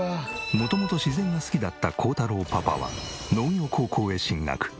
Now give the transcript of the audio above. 元々自然が好きだった耕太郎パパは農業高校へ進学。